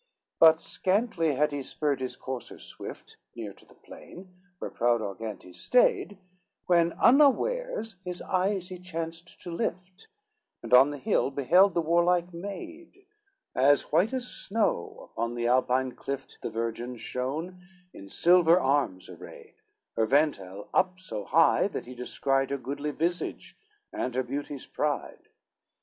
XXVI But scantly had he spurred his courser swift Near to the plain, where proud Argantes stayed, When unawares his eyes he chanced to lift, And on the hill beheld the warlike maid, As white as snow upon the Alpine clift The virgin shone in silver arms arrayed, Her vental up so high, that he descried Her goodly visage, and her beauty's pride.